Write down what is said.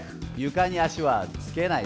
床に足はつけない。